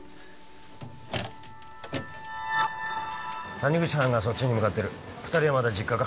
谷口班がそっちに向かってる二人はまだ実家か？